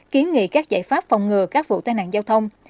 kiến nghị các giải pháp phòng ngừa các vụ tai nạn giao thông